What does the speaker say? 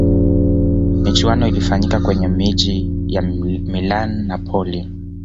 michuano ilifanyika kwenye miji ya milan napoli